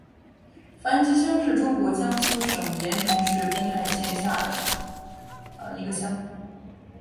樊集乡是中国江苏省盐城市滨海县下辖的一个乡。